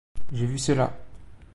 J'ai vu cela.